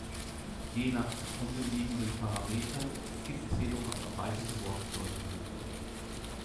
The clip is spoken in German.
Je nach zugrunde liegenden Parametern gibt es jedoch auch erweiterte Wortbedeutungen.